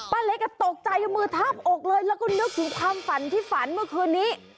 เล็กตกใจเอามือทาบอกเลยแล้วก็นึกถึงความฝันที่ฝันเมื่อคืนนี้